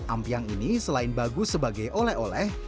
ampiang ini selain bagus sebagai oleh oleh